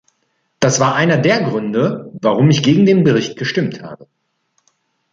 Das war einer der Gründe, warum ich gegen den Bericht gestimmt habe.